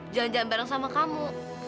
jalan jalan bareng sama kamu